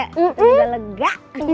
itu udah lega